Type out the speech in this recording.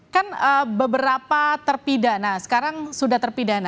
kan beberapa terpidana sekarang sudah terpidana